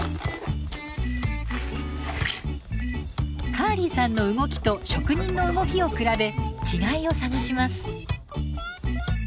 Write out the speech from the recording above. カーリーさんの動きと職人の動きを比べ違いを探します。